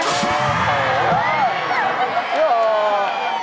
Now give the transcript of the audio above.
สวัสดีครับ